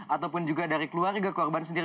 ataupun juga dari keluarga korban sendiri